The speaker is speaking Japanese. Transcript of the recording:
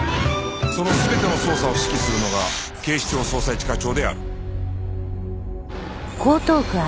その全ての捜査を指揮するのが警視庁捜査一課長である